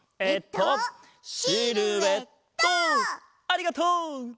ありがとう！